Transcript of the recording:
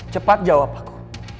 cepat jawab aku